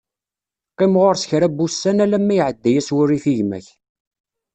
Qqim ɣur-s kra n wussan, alamma iɛedda-as wurrif i gma-k.